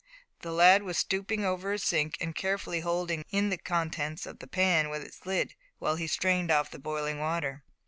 The lad was stooping over a sink, and carefully holding in the contents of the pan with its lid, while he strained off the boiling water.